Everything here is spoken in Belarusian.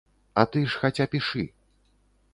А ты ж хаця пішы.